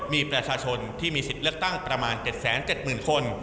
มีประชาชนที่มีสิทธิ์เลือกตั้งประมาณ๗๗๐๐คน